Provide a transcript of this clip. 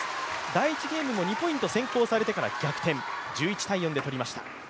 第１ゲームも２ポイント先行されてから逆転、１１−４で取りました。